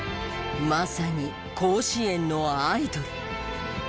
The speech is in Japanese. まさに甲子園のアイドル。